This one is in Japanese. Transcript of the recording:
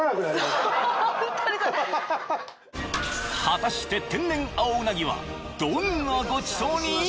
［果たして天然青うなぎはどんなごちそうに？］